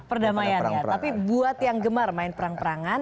perdamaian ya tapi buat yang gemar main perang perangan